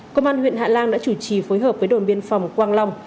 công an huyện hạ lan đã chủ trì phối hợp với đồn biên phòng quang long